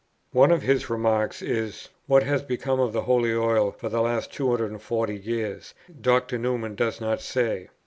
One of his remarks is, "What has become of the holy oil for the last 240 years, Dr. Newman does not say," p.